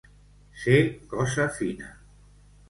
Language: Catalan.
Ser cosa fina.